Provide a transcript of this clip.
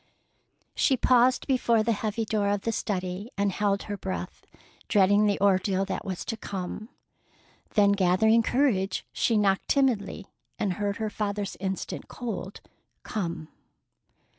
She paused before the heavy door of the study and held her breath, dreading the ordeal that was to come. Then, gathering courage, she knocked timidly, and heard her father's instant, cold "Come."